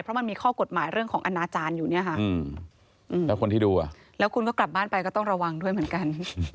เพราะมันมีข้อกฎหมายเรื่องของอนาจารย์อยู่เนี่ยค่ะแล้วคนที่ดูอ่ะแล้วคุณก็กลับบ้านไปก็ต้องระวังด้วยเหมือนกัน